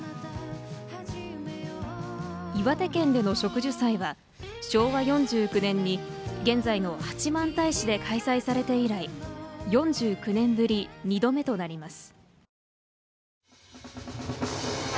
岩手県での植樹祭は昭和４９年に現在の八幡平市で開催されて以来４９年ぶり２度目となります。